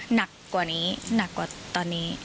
หรือว่าอาจจะหนักกว่านี้หนักกว่าตอนนี้